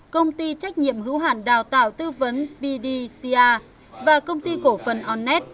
công ty trách nhiệm hữu hàn đào tạo tư vấn pdca và công ty cổ phần onnet